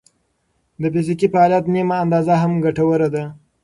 د فزیکي فعالیت نیمه اندازه هم ګټوره ده.